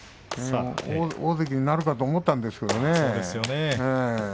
大関になるかと思ったんですけどね。